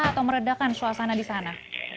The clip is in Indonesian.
atau meredakan suasana di sana